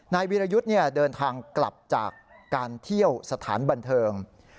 นายวิรยุทธ์เดินทางกลับจากการเที่ยวสถานบันเทิง